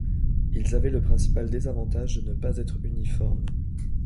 Ils avaient le principal désavantage de ne pas être uniformes.